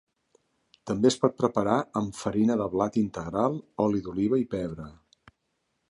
També es pot preparar amb farina de blat integral, oli d'oliva i pebre.